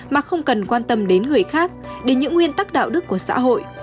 mà không cần quan tâm đến người khác đến những nguyên tắc đạo đức của xã hội